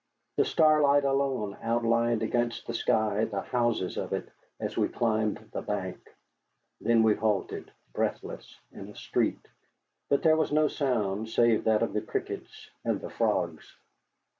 The starlight alone outlined against the sky the houses of it as we climbed the bank. Then we halted, breathless, in a street, but there was no sound save that of the crickets and the frogs.